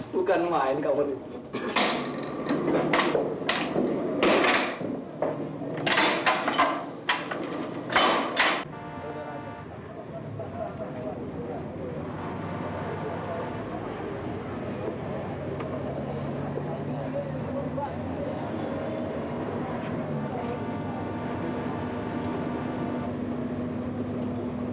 bukan main kamu ini